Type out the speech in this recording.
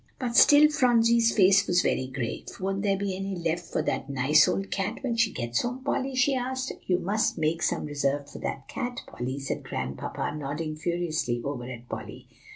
But still Phronsie's face was very grave. "Won't there be any left for that nice old cat when she gets home, Polly?" she asked. "You must make some be reserved for that cat, Polly," said Grandpapa, nodding furiously over at Polly.